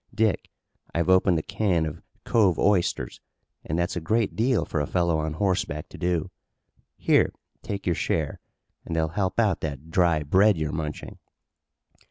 Dick, I've opened a can of cove oysters, and that's a great deal for a fellow on horseback to do. Here, take your share, and they'll help out that dry bread you're munching."